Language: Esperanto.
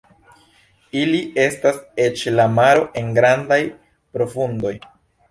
Ili estas eĉ en la maro en grandaj profundoj.